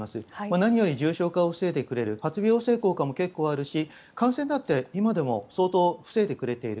何より重症化を防いでくれる発病を防ぐ効果も結構あるし感染だって今でも相当防いでくれている。